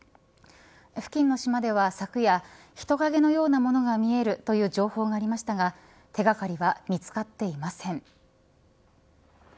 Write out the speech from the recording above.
付近の島では昨夜人影のようなものが見えるという情報がありましたが手掛かりは見つかっていません。